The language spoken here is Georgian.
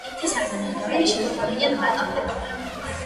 თესავენ ან რგავენ შემოდგომიდან მარტამდე.